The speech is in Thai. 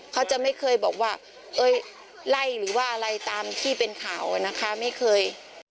เขาจะไม่เคยบอกว่าเอ้ยไล่หรือว่าอะไรตามที่เป็นข่าวอะนะคะไม่เคย